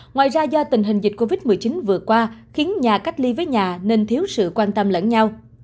ngoài ra do tình hình dịch covid một mươi chín vừa qua khiến nhà cách ly với nhà nên thiếu sự quan tâm lẫn nhau